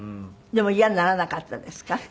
でも嫌にならなかったですか？